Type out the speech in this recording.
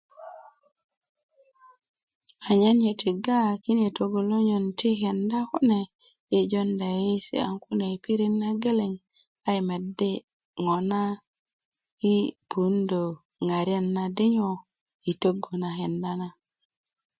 anyen yi tiga kine togolonyön ti kita kune yi jounda yeyiyesi kaŋ kune i pirit na geleŋ a yi medi kona yi puundö ŋariet na di nyo i togu na kenda na